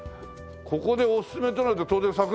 ここでおすすめとなると当然さくら餅でしょ？